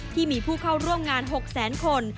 ที่มีผู้เข้าร่วมงาน๖แสนคน